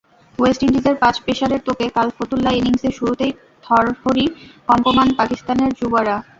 West ইন্ডিজের পাঁচ পেসারের তোপে কাল ফতুল্লায় ইনিংসে শুরুতেই থরহরি কম্পমান পাকিস্তানের যুবারা।